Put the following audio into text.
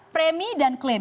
premi dan klaim